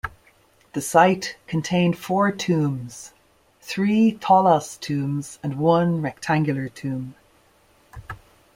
The site contained four tombs; three tholos tombs and one rectangular tomb.